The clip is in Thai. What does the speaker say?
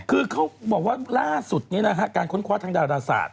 คือเขาบอกว่าล่าสุดนี้นะฮะการค้นคว้าทางดาราศาสต